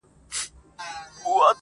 o په پردي وطن کي گوز واچوه، ځني ولاړ سه.